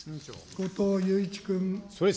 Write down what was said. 後藤祐一君。